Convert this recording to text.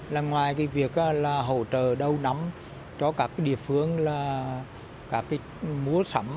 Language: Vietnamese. là ngoài cái việc là hỗ trợ đầu nắm cho các cái địa phương là các cái múa sẩm